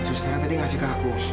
susternya tadi ngasih ke aku